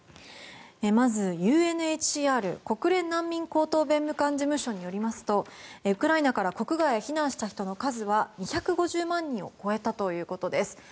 まず、ＵＮＨＣＲ・国連難民高等弁務官事務所によりますとウクライナから国外へ避難した人の数は２５０万人を超えたということです。